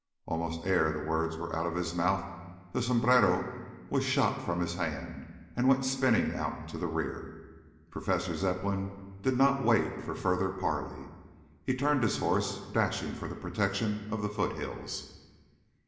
Almost ere the words were out of his mouth, the sombrero was shot from his hand and went spinning out to the rear. Professor Zepplin did not wait for further parley. He turned his horse, dashing for the protection of the foothills.